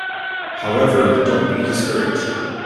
However, don’t be discouraged.